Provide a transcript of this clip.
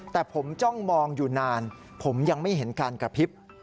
แต่ผมจ้องมองอยู่นานผมยังไม่เห็นการกระพริบ